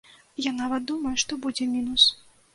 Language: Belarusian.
Я нават думаю, што будзе мінус.